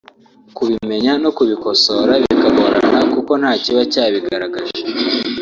kubimenya no kubikosora bikagorana kuko ntakiba cyabigaragaje